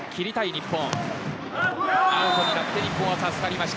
日本。